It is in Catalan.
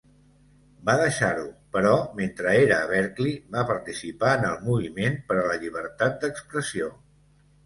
Va deixar-ho, però mentre era a Berkeley, va participar en el Moviment per a la Llibertat d'Expressió.